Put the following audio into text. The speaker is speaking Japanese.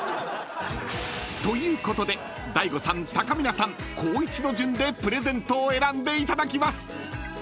［ということでＤＡＩＧＯさんたかみなさん光一の順でプレゼントを選んでいただきます］